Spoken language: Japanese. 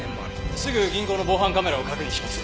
すぐ銀行の防犯カメラを確認します！